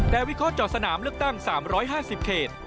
แต่วิเคราะห์สนามเลือกตั้ง๓๕๐เขต